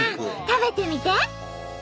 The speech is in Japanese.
食べてみて。